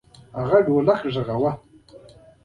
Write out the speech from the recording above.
هغه ډولک غږاوه.